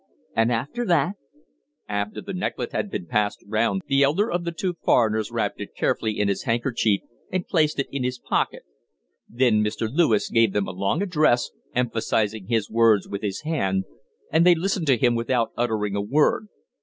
"And after that?" "After the necklet had been passed round the elder of the two foreigners wrapped it carefully in his handkerchief and placed it in his pocket. Then Mr. Lewis gave them a long address, emphasizing his words with his hand, and they listened to him without uttering a word.